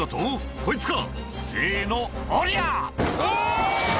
こいつか」